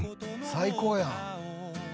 「最高やん」